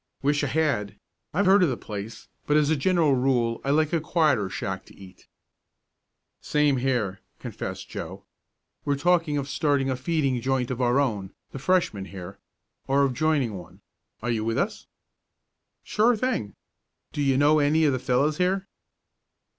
"Wish I had. I've heard of the place, but as a general rule I like a quieter shack to eat." "Same here," confessed Joe. "We're talking of starting a feeding joint of our own the Freshmen here or of joining one. Are you with us?" "Sure thing. Do you know any of the fellows here?"